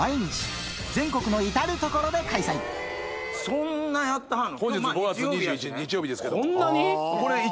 そんなやってはるの？